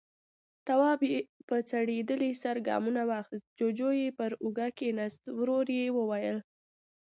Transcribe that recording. تواب په ځړېدلي سر ګامونه واخيستل، جُوجُو يې پر اوږه کېناست، ورو يې وويل: